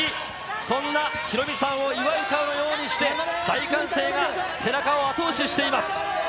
そんなヒロミさんを祝うかのようにして、大歓声が背中を後押ししています。